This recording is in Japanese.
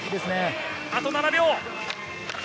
あと７秒。